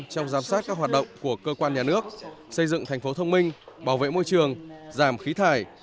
trong giám sát các hoạt động của cơ quan nhà nước xây dựng thành phố thông minh bảo vệ môi trường giảm khí thải